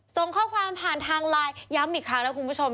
ส่งข้อความผ่านทางไลน์ย้ำอีกครั้งนะคุณผู้ชม